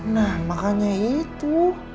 nah makanya itu